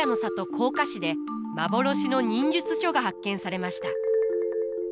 甲賀市で幻の忍術書が発見されました。